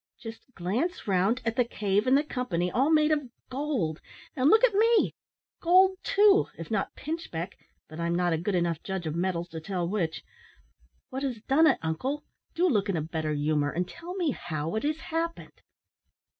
Just glance round at the cave and the company, all made of gold, and look at me gold too, if not pinchbeck, but I'm not a good enough judge of metals to tell which. What has done it, uncle? Do look in a better humour, and tell me how it has happened."